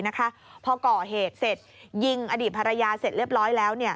พอก่อเหตุเสร็จยิงอดีตภรรยาเสร็จเรียบร้อยแล้ว